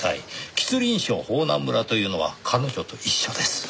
吉林省保南村というのは彼女と一緒です。